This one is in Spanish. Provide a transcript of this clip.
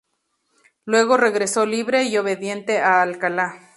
Luego regresó libre y obediente a Alcalá.